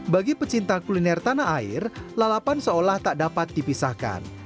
bagi pecinta kuliner tanah air lalapan seolah tak dapat dipisahkan